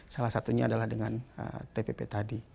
salah satunya adalah dengan tpp tadi